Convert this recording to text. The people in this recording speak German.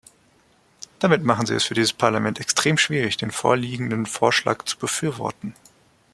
Damit machen Sie es für dieses Parlament extrem schwierig, den vorliegenden Vorschlag zu befürworten.